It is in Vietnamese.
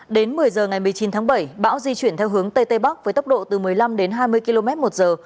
đến một mươi giờ ngày một mươi chín tháng bảy bão di chuyển theo hướng tây tây bắc với tốc độ từ một mươi năm đến hai mươi km một giờ